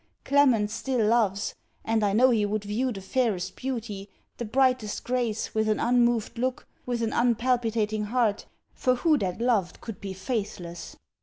Clement still loves, and I know he would view the fairest beauty, the brightest grace, with an unmoved look, with an unpalpitating heart, for who that loved could be faithless!